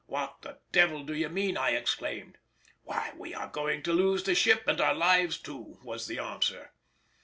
"What the devil do you mean!" I exclaimed. "Why, we are going to lose the ship and our lives too," was the answer.